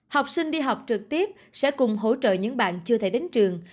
học sinh đi học trực tiếp sẽ cùng hỗ trợ những bạn chưa thể đến trường